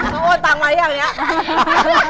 เขาโอนตังมาอย่างเนี่ย